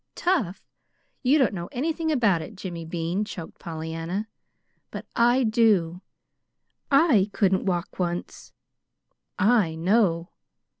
"Tough! You don't know anything about it, Jimmy Bean," choked Pollyanna; "but I do. I couldn't walk once. I KNOW!"